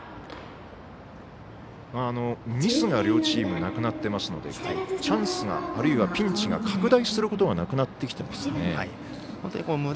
ミスが、両チームなくなっていますのでチャンスが、あるいはピンチが拡大することがなくなってきていますね。